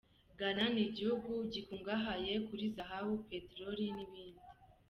Ghana ni igihugu gikungahaye kuri zahabu, peteroli n’ibindi.